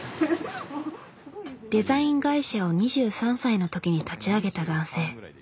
デザイン会社を２３歳の時に立ち上げた男性。